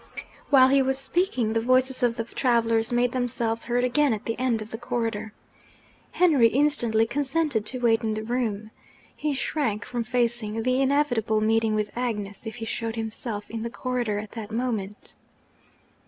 While he was speaking, the voices of the travellers made themselves heard again at the end of the corridor. Henry instantly consented to wait in the room. He shrank from facing the inevitable meeting with Agnes if he showed himself in the corridor at that moment.